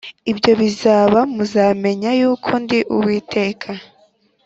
ibyo bizaba muzamenya yuko ndi Uwiteka